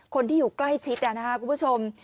คนที่อยู่ใกล้ชิดนะครับคุณผู้ชม